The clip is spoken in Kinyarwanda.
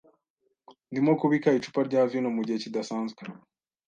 Ndimo kubika icupa rya vino mugihe kidasanzwe.